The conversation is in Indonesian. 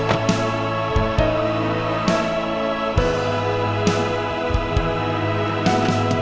aku akan mencintai kamu